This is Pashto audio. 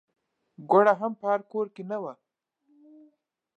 ګوړه هم په هر کور کې نه وه.